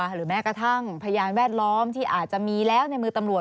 หรือแม้กระทั่งพยานแวดล้อมที่อาจจะมีแล้วในมือตำรวจ